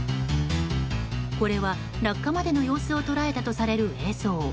これは落下までの様子を捉えたとされる映像。